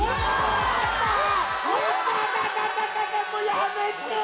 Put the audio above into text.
やめて！